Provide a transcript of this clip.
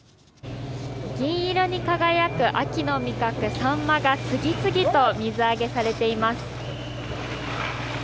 銀色に輝く秋の味覚、サンマが次々と水揚げされています。